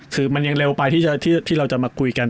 คือมันยังเร็วไปที่เราจะมาคุยกัน